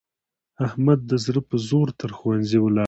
احمد د زړه په زور تر ښوونځي ولاړ.